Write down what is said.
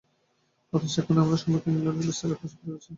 অথচ এখনই আমার সম্মুখে ইংলণ্ডে বিস্তর কাজ পড়ে আছে।